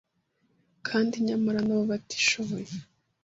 kandi, nyamara nabo batishoboye.